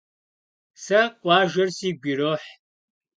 Se khuajjer sigu yiroh.